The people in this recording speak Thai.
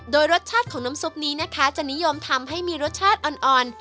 โดยรสชาติของน้ำซุปนี้นะคะจะนิยมทำให้มีรสชาติอ่อน